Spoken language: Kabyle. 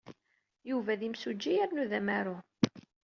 Yuba d imsujji yernu d amaru.